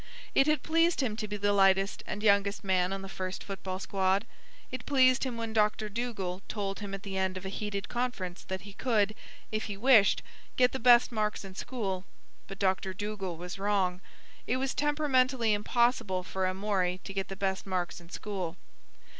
It had pleased him to be the lightest and youngest man on the first football squad; it pleased him when Doctor Dougall told him at the end of a heated conference that he could, if he wished, get the best marks in school. But Doctor Dougall was wrong. It was temperamentally impossible for Amory to get the best marks in school.